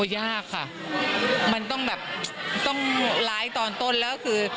ยากค่ะมันต้องแบบต้องร้ายตอนต้นแล้วคือ